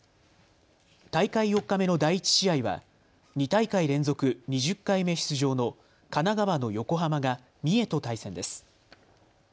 大会４日目の第１試合は２大会連続２０回目出場の神奈川の横浜が三重と対戦です。